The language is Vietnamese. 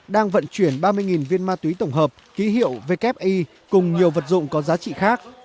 đang vận chuyển ba mươi viên ma túy tổng hợp ký hiệu wi cùng nhiều vật dụng có giá trị khác